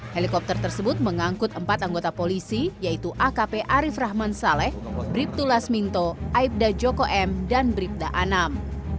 helikopter tersebut mengangkut empat anggota polisi yaitu akp arief rahman saleh bribtu lasminto aibda joko m dan bribda anam